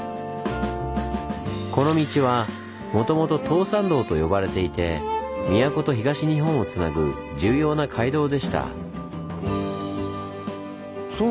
この道はもともと「東山道」と呼ばれていて都と東日本をつなぐ重要な街道でした。